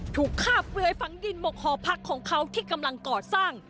ถูกฆ่าเปลือยฝังดินบกหอพักของเขาที่กำลังก่อสร้าง